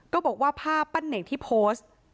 บอกว่าภาพปั้นเน่งที่โพสต์